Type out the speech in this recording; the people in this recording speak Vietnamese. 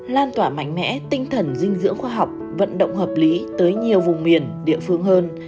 lan tỏa mạnh mẽ tinh thần dinh dưỡng khoa học vận động hợp lý tới nhiều vùng miền địa phương hơn